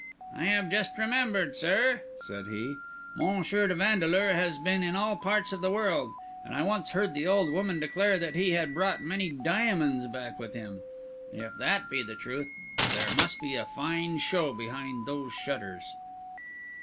"I have just remembered, sir," said he. "M. de Vandeleur has been in all parts of the world, and I once heard the old woman declare that he had brought many diamonds back with him. If that be the truth, there must be a fine show behind those shutters."